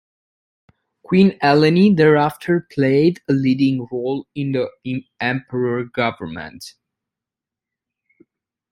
Queen Eleni thereafter played a leading role in the Emperor's government.